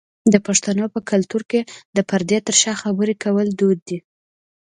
د پښتنو په کلتور کې د پردې تر شا خبری کول دود دی.